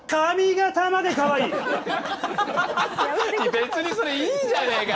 別にそれいいじゃねえか！